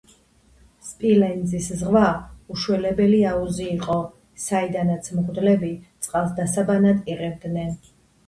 სპილენძის ზღვა უშველებელი აუზი იყო, საიდანაც მღვდლები წყალს დასაბანად იღებდნენ.